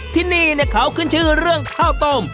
ที่นี่เขาขึ้นชื่อเรื่องข้าวต้ม